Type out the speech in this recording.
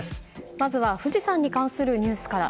まずは富士山に関するニュースから。